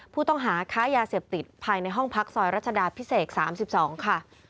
ผู้ต้องหาค้ายาเสพติดภายในห้องพักซอยรัชดาพิเศษ๓๒ค่ะ